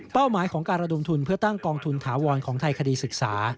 หมายของการระดมทุนเพื่อตั้งกองทุนถาวรของไทยคดีศึกษา